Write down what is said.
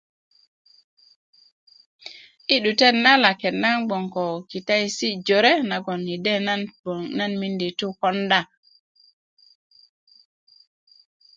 yi 'dutet na laket 'n gboŋ ko kitayeesi' jore nagoŋ nan na yide miindi to yi konda